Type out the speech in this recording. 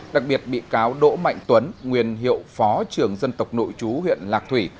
đặc biệt bị cáo đỗ mạnh tuấn nguyên hiệu phó trường dân tộc nội chú huyện lạc thủy